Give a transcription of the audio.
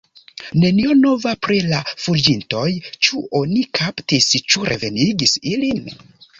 Nenio nova pri la fuĝintoj: ĉu oni kaptis, ĉu revenigis ilin?